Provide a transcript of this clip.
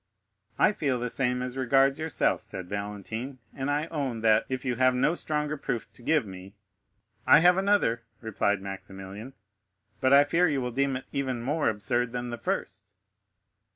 "I feel the same as regards yourself." said Valentine; "and I own that, if you have no stronger proof to give me——" "I have another," replied Maximilian; "but I fear you will deem it even more absurd than the first."